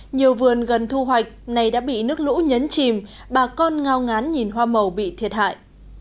nhiều vườn gần thu hoạch này đã bị nước lũ nhấn chìm bà con ngao ngán nhìn hoa màu bị thiệt hại